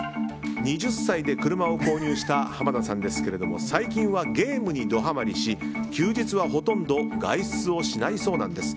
２０歳で車を購入した濱田さんですが最近はゲームにドハマリし休日はほとんど外出をしないそうなんです。